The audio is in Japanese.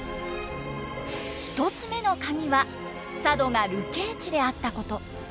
１つ目のカギは佐渡が流刑地であったこと。